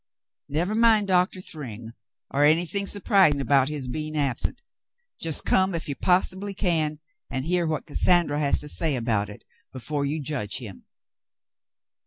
"Never mind Doctor Thryng or anything surprising about his being absent ; just come if you possibly can and hear what Cassandra has to say about it before you judge him.